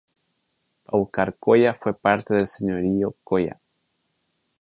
Paucarcolla fue parte del señorío colla.